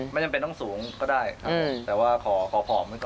ไม่จำเป็นต้องสูงก็ได้แต่ว่าขอผอมด้วยก่อน